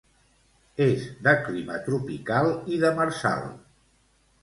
És de clima tropical i demersal.